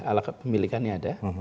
alas pemilikannya ada